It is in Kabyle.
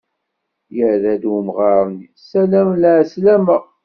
Yerra-d umɣar-nni: «Salam, lεeslama».